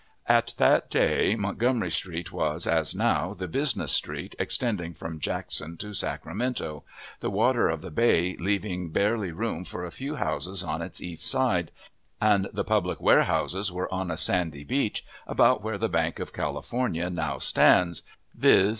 At that day Montgomery Street was, as now, the business street, extending from Jackson to Sacramento, the water of the bay leaving barely room for a few houses on its east side, and the public warehouses were on a sandy beach about where the Bank of California now stands, viz.